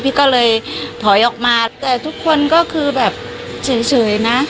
พี่ก็เลยถอยออกมาแต่ทุกคนก็คือแบบเฉยนะ